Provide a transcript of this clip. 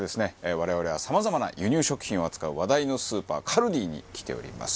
我々はさまざまな輸入食品を扱う話題のスーパーＫＡＬＤＩに来ております。